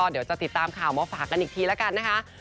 เดี๋ยวจะติดตามข่าวมาฝากกันอีกทีแล้วกันนะคะ